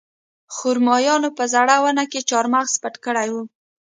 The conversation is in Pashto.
خرمایانو په زړه ونه کې چارمغز پټ کړي وو